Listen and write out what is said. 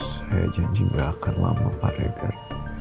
saya janji gak akan lama pak rekan